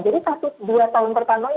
jadi satu dua tahun pertama ini